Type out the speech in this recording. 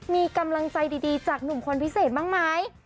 มีกำลังใจดีจากหนุ่มคนพิเศษบ้างไหม